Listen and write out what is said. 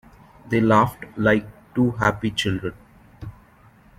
They laughed like two happy children.